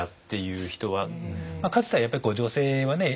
かつてはやっぱり女性はね